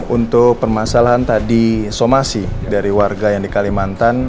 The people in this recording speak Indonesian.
untuk permasalahan tadi somasi dari warga yang di kalimantan